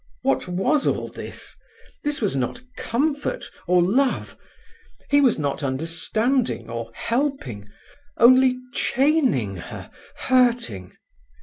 What was all this? This was not comfort or love. He was not understanding or helping, only chaining her, hurting.